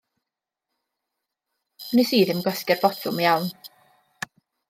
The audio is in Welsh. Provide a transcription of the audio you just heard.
Wnes i ddim gwasgu'r botwm iawn.